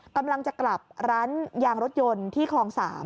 กำลังจะกลับร้านยางรถยนต์ที่คลอง๓